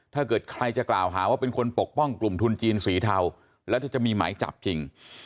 ถ้าเกิดใครจะกล่าวหาว่าเป็นคนปกป้องกลุ่มทุนจีนสีเทาแล้วถ้าจะมีหมายจับจริง